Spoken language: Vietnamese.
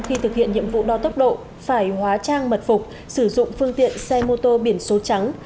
khi thực hiện nhiệm vụ đo tốc độ phải hóa trang mật phục sử dụng phương tiện xe mô tô biển số trắng